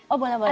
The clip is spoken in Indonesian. oh boleh boleh